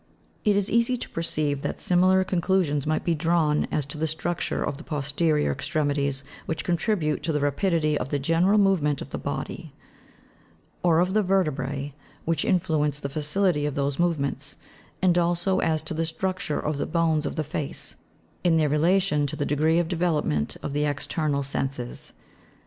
" It is easy to perceive that similar conclusions might be drawn as to the structure of the posterior extremities, which contribute to the rapidity of the general movement of the body ; or of the vertebrae, which influence the facility of those movements ; and also as to the structure of the bones of the face, in their relation to the degree of development of the external senses.